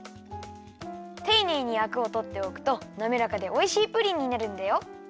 ていねいにアクをとっておくとなめらかでおいしいプリンになるんだよ。